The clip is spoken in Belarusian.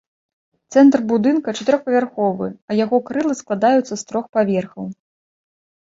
Цэнтр будынка чатырохпавярховы, а яго крылы складаюцца з трох паверхаў.